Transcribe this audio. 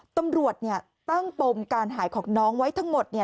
ตำรวจเนี่ยตั้งปมการหายของน้องไว้ทั้งหมดเนี่ย